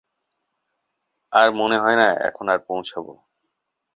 আর মনে হয় না এখন আর পৌঁছাব।